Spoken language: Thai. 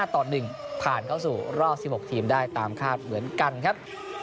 ต่อ๑ผ่านเข้าสู่รอบ๑๖ทีมได้ตามคาดเหมือนกันครับ